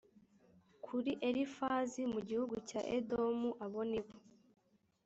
kuri elifazi mu gihugu cya edomu abo ni bo